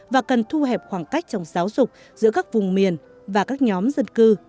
và cần thu hẹp khoảng cách trong giáo dục giữa các vùng miền và các nhóm dân cư